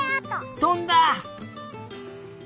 とんだ！